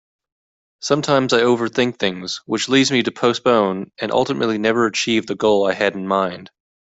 Sometimes I overthink things which leads me to postpone and ultimately never achieve the goal I had in mind.